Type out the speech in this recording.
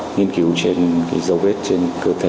nghiên cứu dấu vết trên cơ thể